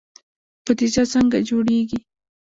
بودجه څنګه جوړیږي؟